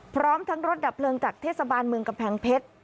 พร้อมทั้งรถดับเพลิงจากเทศบาลเมืองกำแพงเพชร